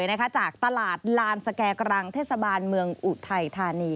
ในจังหวัดอุทัยธานี